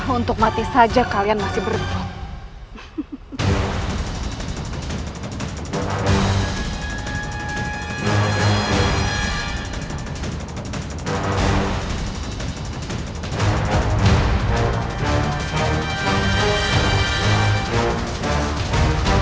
untuk mati saja kalian masih berubah